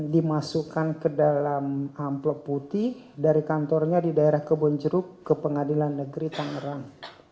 dimasukkan ke dalam amplop putih dari kantornya di daerah kebonjeruk ke pengadilan negeri tangerang